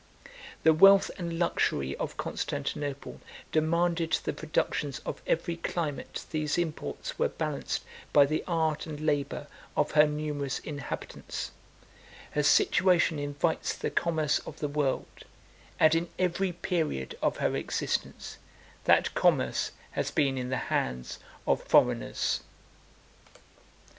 The wealth and luxury of Constantinople demanded the productions of every climate; these imports were balanced by the art and labor of her numerous inhabitants; her situation invites the commerce of the world; and, in every period of her existence, that commerce has been in the hands of foreigners.